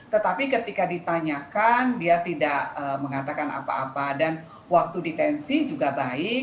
tetapi ketika ditanyakan dia tidak mengatakan apa apa dan waktu ditensi juga baik